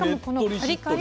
カリッカリ。